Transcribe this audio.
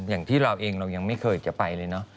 อย่างที่เราเองเรายังไม่เคยจะไปเลยเนอะ